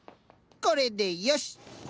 これでよし！